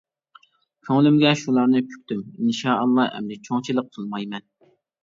كۆڭلۈمگە شۇلارنى پۈكتۈم: ئىنشا ئاللا ئەمدى چوڭچىلىق قىلمايمەن.